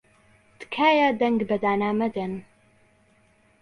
تکایە دەنگ بە دانا مەدەن.